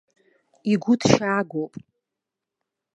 Игәыҭшьаагоуп.